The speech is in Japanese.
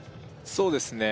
そうですね